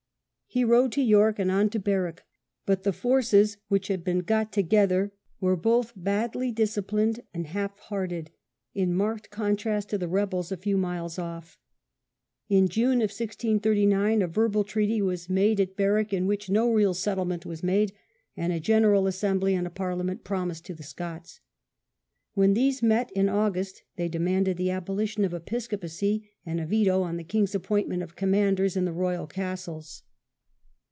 He rode to York and on to Berwick, but the forces which had been got together were both badly disciplined Pacification of and half hearted, in marked contrast to the UiV^short rebels a few miles off. In June, 1639, a Parliament, verbal treaty was made at Berwick, in which no real settlement was made, and a General Assembly and a Parliament promised to the Scots. When these met in August they demanded the abolition of Episcopacy and a veto on the king's appointment of commanders in the Royal castles.